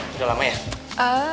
sudah lama ya